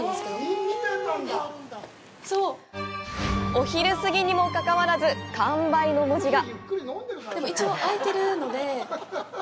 お昼過ぎにもかかわらず、完売の文字が。